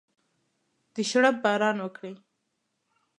د شرپ باران وکړي